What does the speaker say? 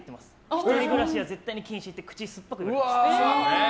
１人暮らしは絶対に禁止って口酸っぱく言われました。